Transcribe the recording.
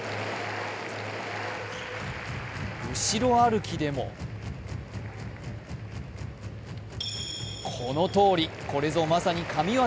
後ろ歩きでもこのとおり、これぞまさに神業。